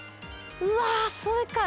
うわそれか。